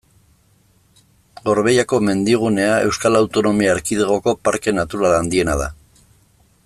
Gorbeiako mendigunea Euskal Autonomia Erkidegoko parke natural handiena da.